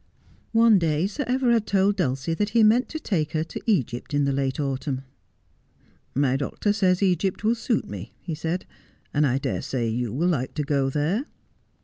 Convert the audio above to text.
One day Sir Everard told Dulcie that he meant to take hei to Egypt in the late autumn. ' My doctor says Egypt will suit me,' he said, ' and I dare say you will like to go there.'